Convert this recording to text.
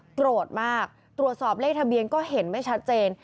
โกรธมากตรวจสอบเลขทะเบียนก็เห็นไม่ชัดเจน